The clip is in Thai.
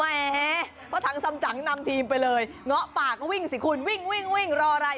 แหมเพราะถังสำจังนำทีมไปเลยเงาะปากก็วิ่งสิคุณวิ่งวิ่งวิ่งรออะไร